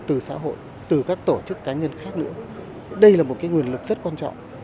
từ xã hội từ các tổ chức cá nhân khác nữa đây là một nguồn lực rất quan trọng